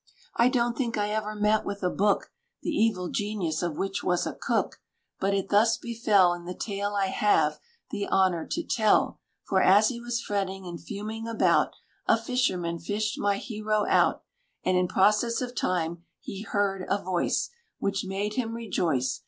I don't think I ever met with a book The evil genius of which was a cook; But it thus befell, In the tale I have the honour to tell; For as he was fretting and fuming about, A fisherman fished my hero out; And in process of time, he heard a voice, Which made him rejoice.